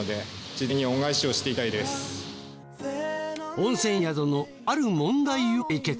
温泉宿のある問題を解決。